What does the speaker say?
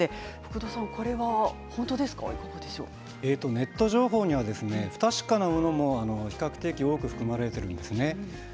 ネット情報には不確かなものも比較的多く含まれているんですね。